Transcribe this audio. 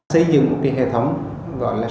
xây dựng một hệ thống gọi là